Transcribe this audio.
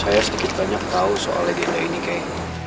saya sedikit banyak tau soal legenda ini kei